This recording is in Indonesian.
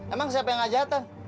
emang siapa yang ngajak tuh